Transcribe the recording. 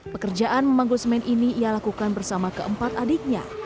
pekerjaan memanggul semen ini ia lakukan bersama keempat adiknya